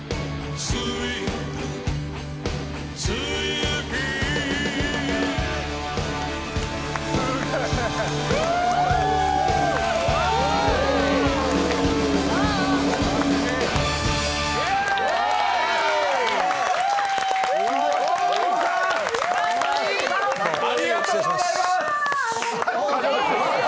大友さん、ありがとうございます！